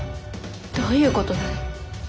どういうことだい？